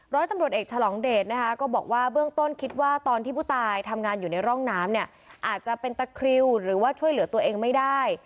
ร้อยตำรวจเอกฉลองเดชนะคะก็บอกว่าเบื้องต้นคิดว่าตอนที่ผู้ตายทำงานอยู่ในร่องน้ำเนี่ยอาจจะเป็นตะคริวหรือว่าช่วยเหลือตัวเองไม่ได้